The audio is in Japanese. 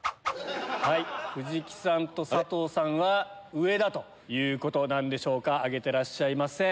藤木さんと佐藤さんは上だということなんでしょうか挙げてらっしゃいません。